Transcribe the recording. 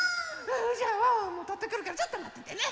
じゃあワンワンもとってくるからちょっとまっててね！